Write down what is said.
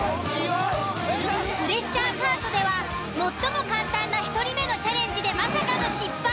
プレッシャーカートでは最も簡単な１人目のチャレンジでまさかの失敗。